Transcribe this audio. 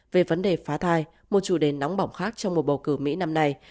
về vấn đề phá thai một chủ đề nóng bỏng khác trong mùa bầu cử mỹ năm nay